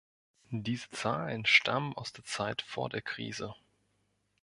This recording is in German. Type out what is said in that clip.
Diese Zahlen stammen aus der Zeit vor der Krise.